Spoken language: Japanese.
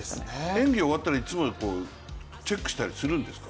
演技が終わったらいつもチェックしたりするんですか？